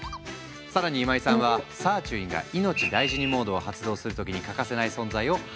更に今井さんはサーチュインが「いのちだいじにモード」を発動する時に欠かせない存在を発見した。